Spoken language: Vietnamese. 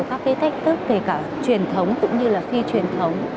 các cái thách thức kể cả truyền thống cũng như là phi truyền thống